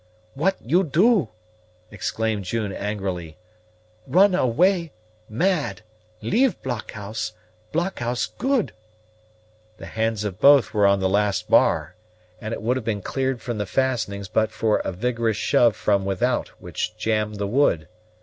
"What you do?" exclaimed June angrily. "Run away mad leave blockhouse; blockhouse good." The hands of both were on the last bar, and it would have been cleared from the fastenings but for a vigorous shove from without, which jammed the wood.